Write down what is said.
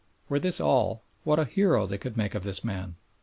Were this all, what a hero they could make of this man!